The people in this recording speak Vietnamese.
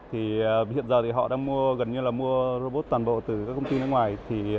hiện giờ họ đang mua robot toàn bộ từ các công ty nước ngoài